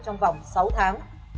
trong vòng sáu tháng